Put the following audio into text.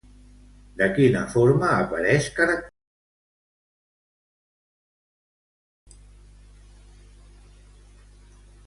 De quina forma apareix caracteritzat?